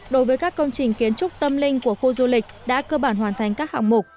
đối với các công trình kiến trúc tâm linh của khu du lịch đã cơ bản hoàn thành các hạng mục